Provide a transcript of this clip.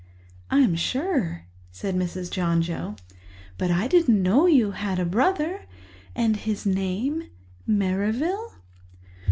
"I'm sure," said Mrs. John Joe. "But I didn't know you had a brother. And his name—Merrivale?"